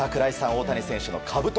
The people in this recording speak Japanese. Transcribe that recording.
大谷選手のかぶと